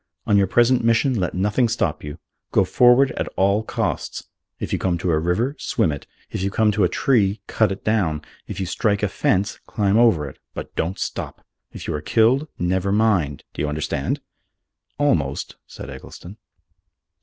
On your present mission let nothing stop you. Go forward at all costs. If you come to a river, swim it. If you come to a tree, cut it down. If you strike a fence, climb over it. But don't stop! If you are killed, never mind. Do you understand?" "Almost," said Eggleston.